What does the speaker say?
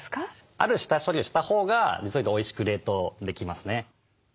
ある下処理をしたほうが実を言うとおいしく冷凍できますね。